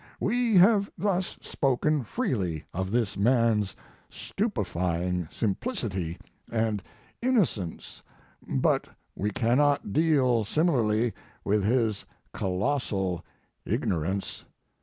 "We have thus spoken freely of this man s stupefying simplicity and inno 200 Mark Twain cence, but we cannot deal similarly with his colossal ignorance.